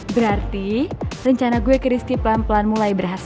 berarti rencana gue ke rizky pelan pelan mulai berhasil